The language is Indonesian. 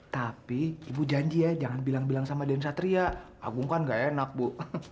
tapi ibu janji ya jangan bilang bilang sama dean satria agung kan gak enak bu